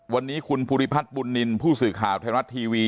วันนี้คุณภูริพัฒน์บุญนินทร์ผู้สื่อข่าวไทยรัฐทีวี